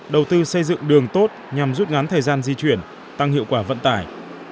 đầu tư xây dựng đường tốt nhằm rút ngắn thời gian di chuyển tăng hiệu quả vận tải